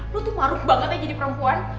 lo tuh maruh banget ya jadi perempuan